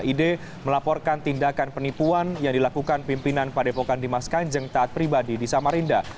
ide melaporkan tindakan penipuan yang dilakukan pimpinan padepokan dimas kanjeng taat pribadi di samarinda